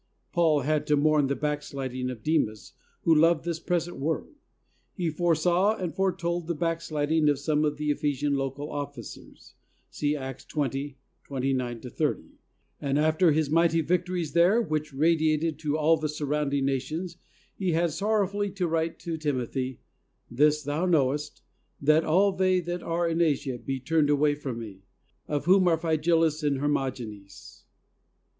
Paul had to mourn the backsliding of "Demas, who loved this present world." He foresaw and foretold the backsliding of some of the Ephesian local officers (see Acts 20: 29 30), and after his mighty victories there, which radiated to all the surrounding na tions, he had sorrowfully to write to Tim othy, "This thou knowest, that all they that are in Asia be turned away from me; of whom are Phygellus and Hermogenes."